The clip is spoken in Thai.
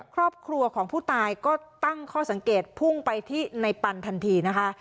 ครอบครัวของผู้ตายก็ตั้งข้อสังเกตพุ่งไปที่ในปันทันทีนะคะ